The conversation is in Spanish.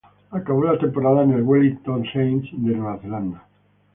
Acabó la temporada en el Wellington Saints de Nueva Zelanda.